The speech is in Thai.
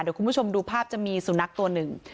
เดี๋ยวคุณผู้ชมดูภาพจะมีสุนัขตัวหนึ่ง